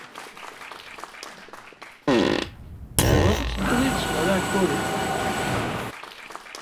Tebɣiḍ ad tedduḍ yid-s ɣer Iɛekkuren?